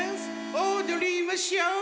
おどりましょ。